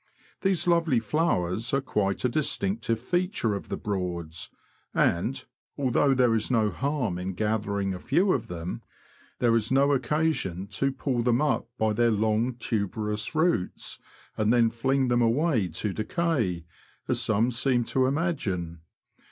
These lovely flowers are quite a distinctive feature of the Broads, and, although there is no harm in gathering a few^ of them, there is no occasion to 220 THE LAND OF THE BROADS. pull them up by their long, tuberous roots, and then fling them away to decay, as some seem to imagine.